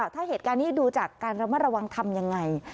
ถ้าเหตุการณ์นี้ดูจากการระมัดระวังทำยังไง